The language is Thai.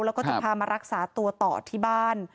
แล้วก็จะพามารักษาตัวต่อที่บ้าน